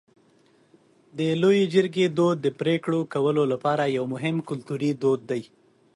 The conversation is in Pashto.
د لویې جرګې دود د پرېکړو کولو لپاره یو مهم کلتوري دود دی.